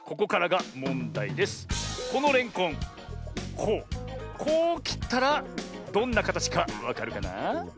こうこうきったらどんなかたちかわかるかな？